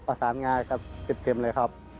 อัศวินยาครับเก็บครึ่งเลยครับ